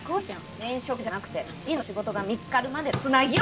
転職じゃなくて次の仕事が見つかるまでのつなぎよ